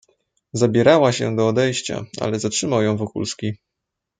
"Zabierała się do odejścia, ale zatrzymał ją Wokulski."